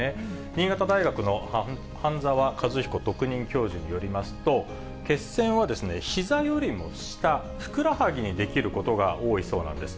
新潟大学の榛沢和彦特任教授によりますと、血栓はひざよりもした、ふくらはぎに出来ることが多いそうなんです。